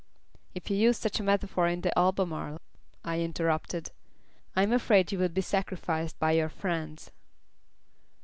"If you used such a metaphor in the Albemarle," I interrupted, "I'm afraid you would be sacrificed by your friends."